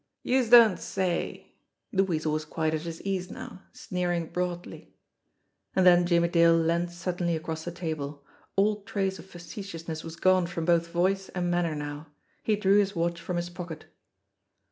"Youse don't say!" The Weasel was quite at his ease now, sneering broadly. And then Jimmie Dale leaned suddenly across the table. All trace of facetiousness was gone from both voice and manner now. He drew his watch from his pocket.